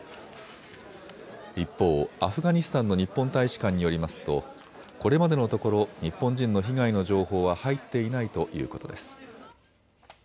一方、アフガニスタンの日本大使館によりますとこれまでのところ日本人の被害の情報は入っていないということです。